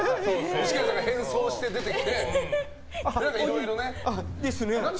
具志堅さんが変装して出てきて。